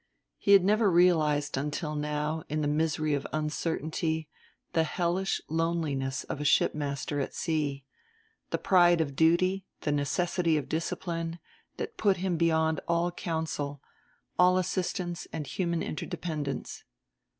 He had never realized until now, in the misery of uncertainty, the hellish loneliness of a shipmaster at sea; the pride of duty, the necessity of discipline, that put him beyond all counsel, all assistance and human interdependence.